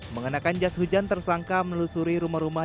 mengenakan jas hujan tersangka melusuri rumah rumah